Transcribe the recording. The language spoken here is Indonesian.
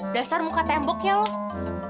dasar muka temboknya loh